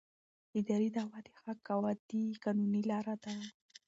اداري دعوه د حق د اعادې قانوني لاره ده.